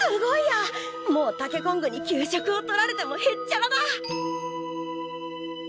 もうタケコングに給食を取られてもへっちゃらだ！